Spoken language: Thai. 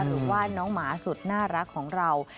หรือว่าน้องหมาสุดน่ารักของเรา